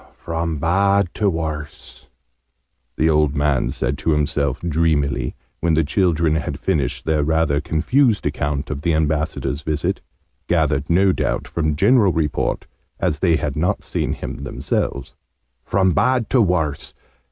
"From bad to worse!" the old man said to himself, dreamily, when the children had finished their rather confused account of the Ambassador's visit, gathered no doubt from general report, as they had not seen him themselves. "From bad to worse!